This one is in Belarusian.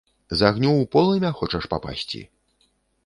З агню ў полымя хочаш папасці?